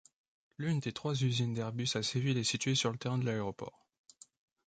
L'une des trois usines d'Airbus à Séville est située sur le terrain de l'aéroport.